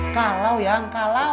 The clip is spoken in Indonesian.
kalau ya kalau